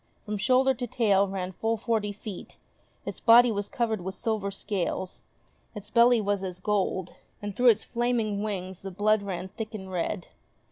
From shoulder to tail ran full forty feet, its body was covered with silver scales, its belly was as gold, and through its flaming wings the blood ran thick and red.